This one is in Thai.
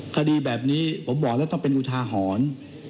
คดีแบบนี้ผมบอกแล้วต้องเป็นอุทาหรณ์